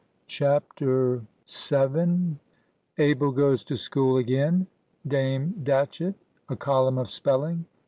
CHAPTER VII. ABEL GOES TO SCHOOL AGAIN.—DAME DATCHETT.—A COLUMN OF SPELLING.